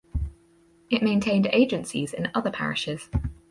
It maintained agencies in other parishes.